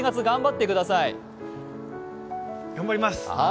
頑張ります！